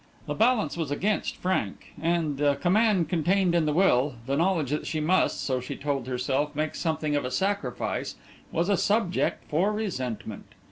The balance was against Frank, and the command contained in the will, the knowledge that she must, so she told herself, make something of a sacrifice, was a subject for resentment.